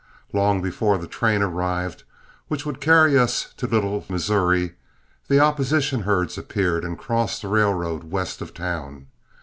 Long before the train arrived which would carry us to Little Missouri, the opposition herds appeared and crossed the railroad west of town.